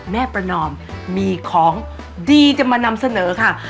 แม่ประนอมมีของดีจะมานำเสนอค่ะ